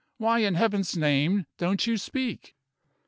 Why, in Heaven's name, don't you speak?"